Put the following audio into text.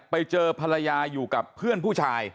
ไปเจอภรรยาอยู่กับเพื่อนผู้ชาย